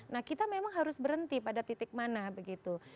nah kita memang harus berhenti pada titik mana begitu